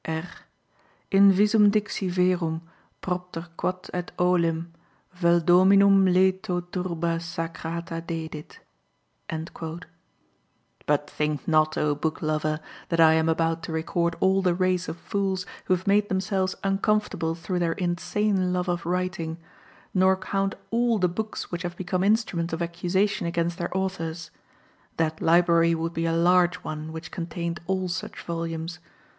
R. Invisum dixi verum, propter quod et olim, Vel dominum letho turba sacrata dedit."_ _But think not, O Book lover, that I am about to record all the race of fools who have made themselves uncomfortable through their insane love of writing, nor count all the books which have become instruments of accusation against their authors. That library would be a large one which contained all such volumes.